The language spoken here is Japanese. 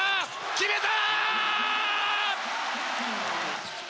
決めた！